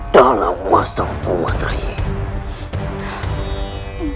dalam wasap kuat raih